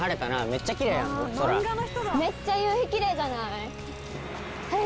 めっちゃ夕日キレイじゃない？